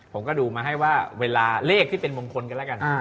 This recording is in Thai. ผมก็ดูมาให้ว่าเวลาเลขที่เป็นมงคลกันแล้วกัน